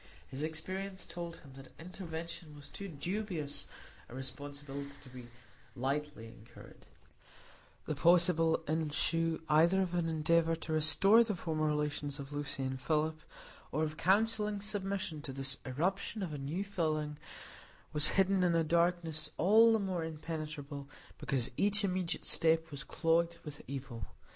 His experience told him that intervention was too dubious a responsibility to be lightly incurred; the possible issue either of an endeavor to restore the former relations with Lucy and Philip, or of counselling submission to this irruption of a new feeling, was hidden in a darkness all the more impenetrable because each immediate step was clogged with evil.